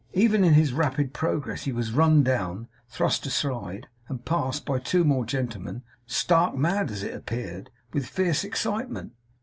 Even in his rapid progress he was run down, thrust aside, and passed, by two more gentlemen, stark mad, as it appeared, with fierce excitement.